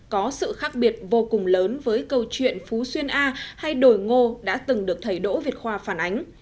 có sự khác biệt vô cùng lớn với câu chuyện phú xuyên a hay đồi ngô đã từng được thầy đỗ việt khoa phản ánh